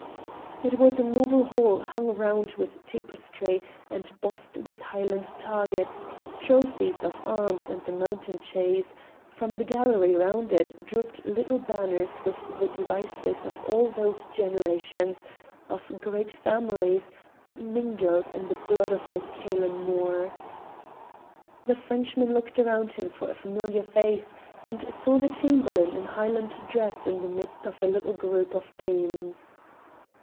It was a noble hall hung round with tapestry and bossed with Highland targets, trophies of arms and the mountain chase; from the gallery round it drooped little banners with the devices of all those generations of great families that mingled in the blood of MacCailen Mor. The Frenchman looked round him for a familiar face, and saw the Chamberlain in Highland dress in the midst of a little group of dames.